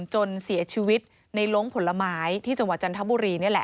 จนเสียชีวิตในโล้งผลไม้ที่จงหวัดจันทบุรี